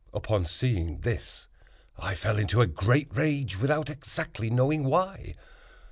Upon seeing this I fell into a great rage, without exactly knowing why.